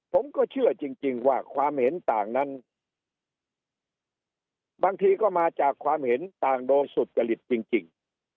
ผมก็เชื่อจริงว่าความเห็นต่างนั้นบางทีก็มาจากความเห็นต่างโดยสุจริตจริง